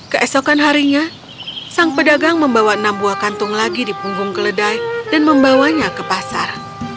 keesokan harinya sang pedagang membawa enam buah kantung lagi di punggung keledai dan membawanya ke pasar